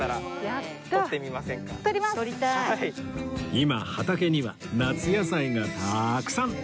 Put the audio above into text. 今畑には夏野菜がたくさん！